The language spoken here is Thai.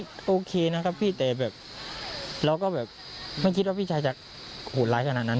ก็โอเคนะครับพี่แต่แบบเราก็แบบไม่คิดว่าพี่ชายจะโหดร้ายขนาดนั้น